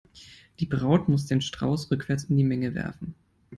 Die Braut muss den Strauß rückwärts in die Menge werfen.